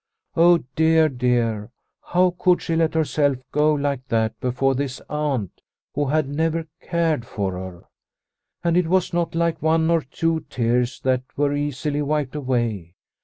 Oh dear, dear, how could she let herself go like that before this aunt who had never cared for her ! And it was not like one or two tears, that were easily wiped away.